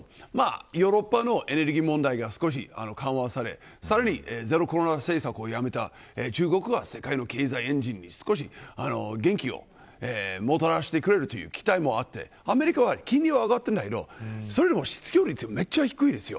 ヨーロッパのエネルギー問題が少し緩和されさらに、ゼロコロナ政策をやめた中国が世界の経済エンジンに少し元気をもたらしてくれるという期待もあってアメリカは金利は上がっていないけどでも失業率はめっちゃ低いです。